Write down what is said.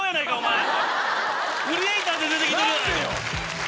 クリエーターで出てきてるやないか！